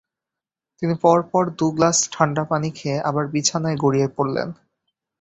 তিনি পরপর দুগ্লাস ঠাণ্ডা পানি খেয়ে আবার বিছানায় গড়িয়ে পড়লেন।